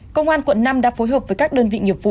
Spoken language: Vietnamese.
công an quận năm đã phối hợp với các đơn vị nghiệp vụ